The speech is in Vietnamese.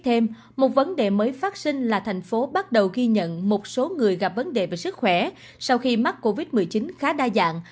thêm một vấn đề mới phát sinh là thành phố bắt đầu ghi nhận một số người gặp vấn đề về sức khỏe sau khi mắc covid một mươi chín khá đa dạng